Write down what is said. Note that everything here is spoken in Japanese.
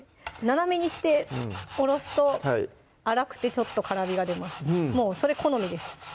斜めにしておろすと粗くてちょっと辛みが出ますそれ好みです